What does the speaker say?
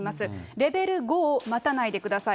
レベル５を待たないでください。